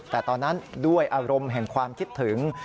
แต่ตอนนั้นด้วยอารมณ์แห่งความคิดถึง